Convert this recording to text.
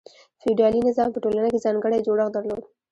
فیوډالي نظام په ټولنه کې ځانګړی جوړښت درلود.